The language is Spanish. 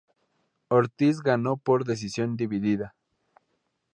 Ortiz ganó por decisión dividida.